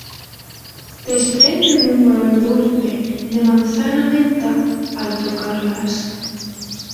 Desprenden un olor dulce de manzana-menta al tocarlas.